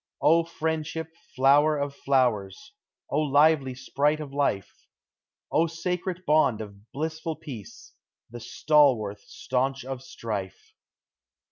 O Friendship, flower of flowers! O lively sprite of life! O sacred bond of blissful peace, the stal worth staunch of strife!